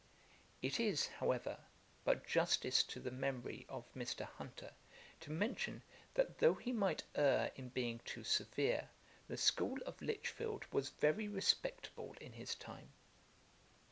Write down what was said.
[Page 45: Johnson's school fellows.] It is, however, but justice to the memory of Mr. Hunter to mention, that though he might err in being too severe, the school of Lichfield was very respectable in his time.